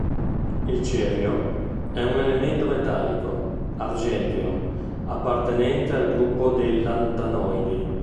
Il cerio è un elemento metallico, argenteo, appartenente al gruppo dei lantanoidi.